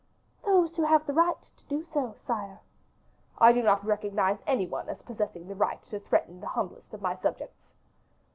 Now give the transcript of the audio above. "Those who have the right to do so, sire." "I do not recognize any one as possessing the right to threaten the humblest of my subjects."